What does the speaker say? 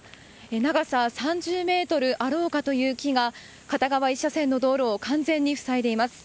長さ３０ｍあろうかという木が片側１車線の道路を完全にふさいでいます。